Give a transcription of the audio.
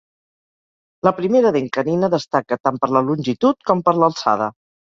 La primera dent canina destaca tant per la longitud com per l'alçada.